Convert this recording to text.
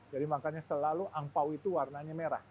jadi makanya selalu angpao itu warnanya merah